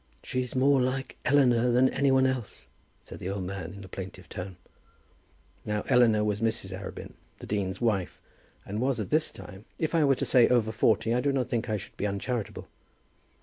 "She's more like Eleanor than any one else," said the old man in a plaintive tone. Now Eleanor was Mrs. Arabin, the dean's wife, and was at this time, if I were to say over forty I do not think I should be uncharitable.